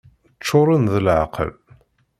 Ččuren d leεqel!